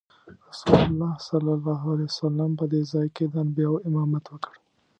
رسول الله صلی الله علیه وسلم په دې ځای کې د انبیاوو امامت وکړ.